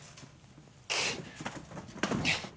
くっ！